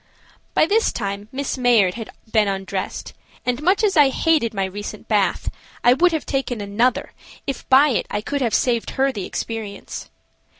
By this time Miss Mayard had been undressed, and, much as I hated my recent bath, I would have taken another if by it I could have saved her the experience.